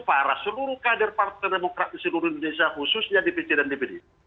para seluruh kader partai demokrat di seluruh indonesia khususnya dpc dan dpd